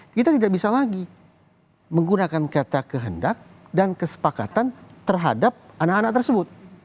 kita tidak bisa lagi menggunakan kata kehendak dan kesepakatan terhadap anak anak tersebut